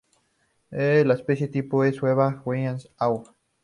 La especie tipo es: "Hevea guianensis" Aubl.